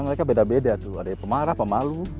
mereka beda beda tuh ada yang pemarah pemalu